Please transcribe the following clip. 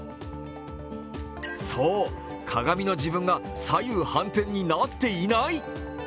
そう、鏡の自分が左右反転になっていない。